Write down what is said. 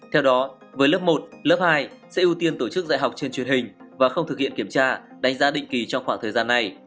theo đó với lớp một lớp hai sẽ ưu tiên tổ chức dạy học trên truyền hình và không thực hiện kiểm tra đánh giá định kỳ trong khoảng thời gian này